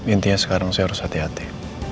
intinya sekarang saya harus hati hati